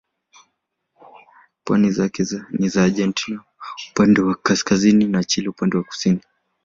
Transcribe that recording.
Pwani zake ni za Argentina upande wa kaskazini na Chile upande wa kusini.